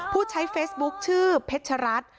ผู้ใช้เฟซบุ๊คชื่อเพชรัตน์